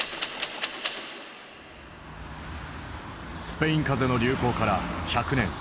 スペイン風邪の流行から１００年。